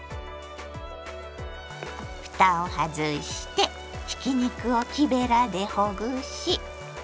ふたを外してひき肉を木べらでほぐし